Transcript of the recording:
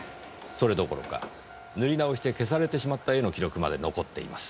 それどころか塗り直して消されてしまった絵の記録まで残っています。